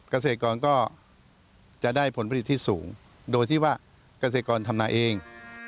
เกษตรกรก็จะได้ผลผลิตที่สูงโดยที่ว่าเกษตรกรทำนาเอง